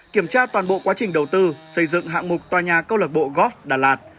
kiểm tra toàn bộ quá trình đầu tư xây dựng hạng mục tòa nhà câu lạc bộ góp đà lạt